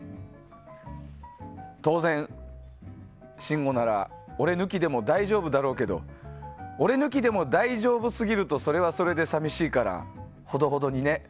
当然、信五なら俺抜きでも大丈夫だろうけど俺抜きでも大丈夫すぎるとそれはそれでさみしいからほどほどにね！